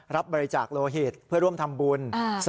รับบริจาคโลหิตเพื่อร่วมทำบุญ